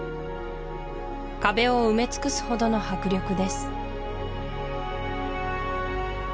壁を埋め尽くすほどの迫力です